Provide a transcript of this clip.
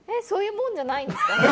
そういうもんじゃないんですか？